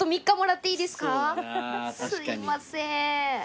すいません。